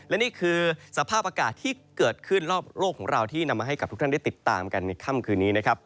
และนี่คือสภาพอากาศที่เกิดขึ้นรอบโลกของเราที่นำมาให้กับทุกท่านได้ติดตามกันในค่ำคืนนี้นะครับ